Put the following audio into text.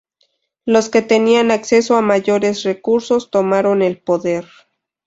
Los que tenían acceso a mayores recursos, tomaron el poder.